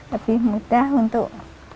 lebih mudah untuk